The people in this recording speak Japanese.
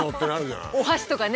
お箸とかね。